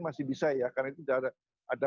masih bisa ya karena itu ada